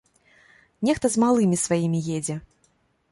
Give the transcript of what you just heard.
Нехта з малымі сваімі едзе.